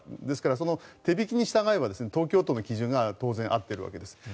ですから、手引きに従えば東京都の基準が当然、合っているわけです。